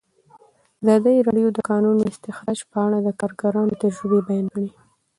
ازادي راډیو د د کانونو استخراج په اړه د کارګرانو تجربې بیان کړي.